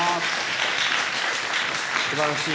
すばらしい。